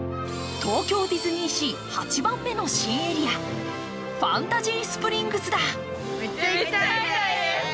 東京ディズニーシー８番目の新エリアファンタジースプリングスだ。